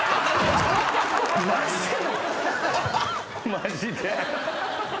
マジで。